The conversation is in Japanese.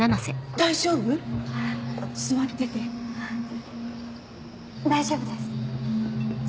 大丈夫です。